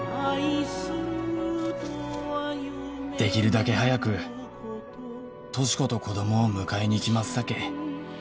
「できるだけ早く」「俊子と子供を迎えに行きますさけ」